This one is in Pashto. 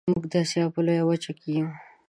موږ د اسیا په لویه وچه کې یو